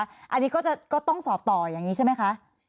อันนี้ก็จะต้องสอบต่ออย่างนี้ใช่ไหมคะ